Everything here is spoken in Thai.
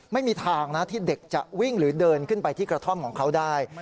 ไม่มีทางนะที่เด็กจะวิ่งหรือเดินขึ้นไปที่กระท่อมของเขาได้